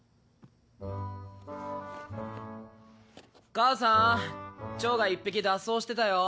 母さんチョウが１匹脱走してたよ。